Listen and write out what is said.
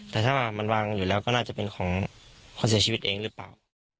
แต่ถ้าว่ามันวางอยู่แล้วก็น่าจะเป็นของคนเสียชีวิตเองหรือเปล่า